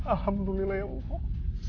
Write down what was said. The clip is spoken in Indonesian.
alhamdulillah ya allah